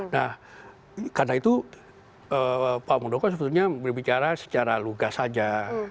nah karena itu pak muldoko sebetulnya berbicara secara lugas saja